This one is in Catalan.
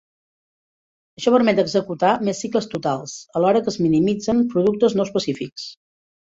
Això permet executar més cicles totals alhora que es minimitzen productes no específics.